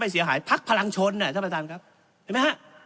เสียหายพักพลังชนท่านประธานครับเห็นไหมฮะ